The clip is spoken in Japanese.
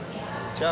じゃあ。